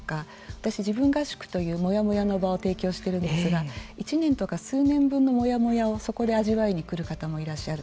私、自分合宿というモヤモヤの場を提供しているんですが１年とか、数年分のモヤモヤをそこで味わいに来る方もいらっしゃる。